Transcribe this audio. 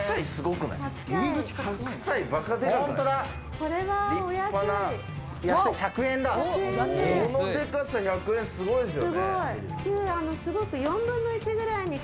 このデカさで１００円、すごいですよね。